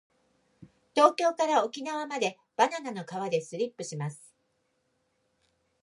東京から沖縄までバナナの皮でスリップします。